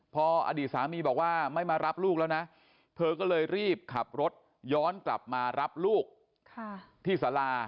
พออดีตสามีบอกว่าไม่มารับลูกแล้วนะเธอก็เลยรีบขับรถย้อนกลับมารับลูกที่สารา